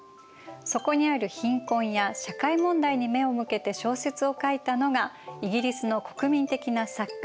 そこにある貧困や社会問題に目を向けて小説を書いたのがイギリスの国民的な作家